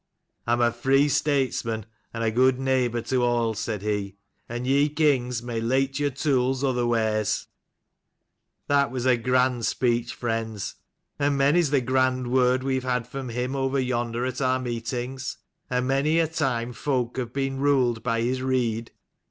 ' I am a free statesman, and a good neighbour to all,' said he: 'and ye kings may lait your tools otherwheres.' That was a grand speech, friends : and many's the grand word we have had from him over yonder at our meetings, and many a time folk have been ruled by his rede.